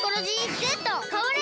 かわれ！